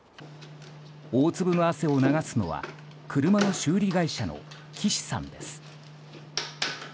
大粒の汗を流すのは車の修理会社の岸さんです。